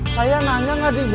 saya nanya dokter